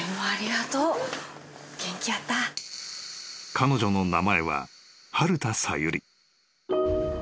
［彼女の名前は春田さゆり］